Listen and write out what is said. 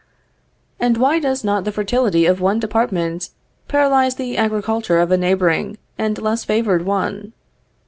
And why does not the fertility of one department paralyze the agriculture of a neighboring and less favored one?